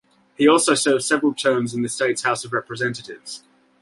He also served several terms in the state's House of Representatives.